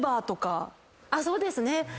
そうですね。